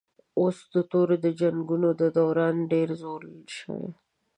اوس د تورو د جنګونو دوران ډېر زوړ شوی